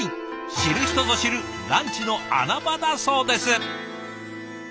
知る人ぞ知るランチの穴場だそうです。